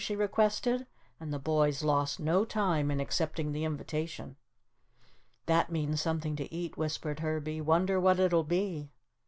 she requested, and the boys lost no time in accepting the invitation. "That means something to eat," whispered Herbie. "Wonder what it'll be."